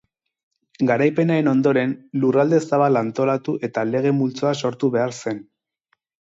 Garaipenaren ondoren, lurralde zabala antolatu eta lege-multzoa sortu behar zen.